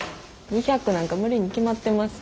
２００なんか無理に決まってます。